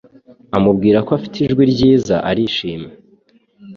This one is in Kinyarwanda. amubwira ko afite ijwi ryiza arishima